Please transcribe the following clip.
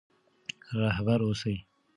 رهبر اوسئ.